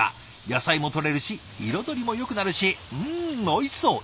野菜もとれるし彩りもよくなるしうんおいしそう。